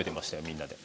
みんなで。